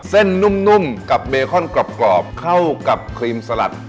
นุ่มกับเบคอนกรอบเข้ากับครีมสลัด